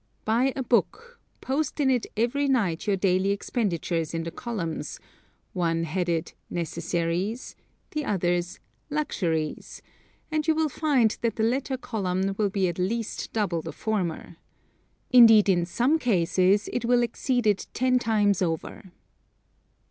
Buy a book; post in it every night your daily expenditures in the columns; one headed "Necessaries," the other "Luxuries," and you will find that the latter column will be at least double the former. Indeed, in some cases it will exceed it ten times over.